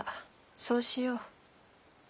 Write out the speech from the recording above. そうしよう。